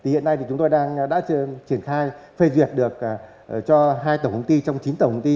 hiện nay chúng tôi đang triển khai phê duyệt được cho hai tổng công ty trong chín tổng công ty